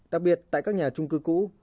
đặc biệt tại các nhà trung cư cũ